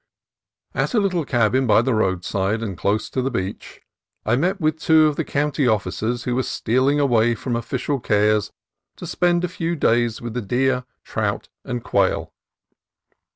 At a little cabin by the roadside and close to the beach, I met with two of the county officers who were stealing away from official cares to spend a few days with the deer, trout, and quail.